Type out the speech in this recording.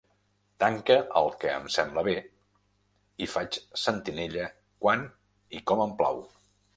Tanque el que em sembla bé, i faig sentinella quan i com em plau.